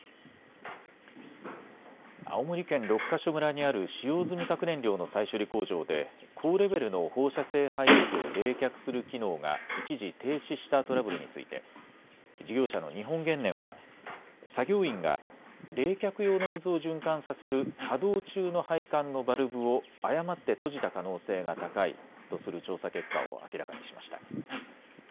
青森県六ヶ所村にある使用済み核燃料の再処理工場で高レベルの放射性廃液を冷却する機能が一時停止したトラブルについて事業者の日本原燃は作業員が冷却用の水を循環させる稼働中の配管のバルブを誤って閉じた可能性が高いとする調査結果を明らかにしました。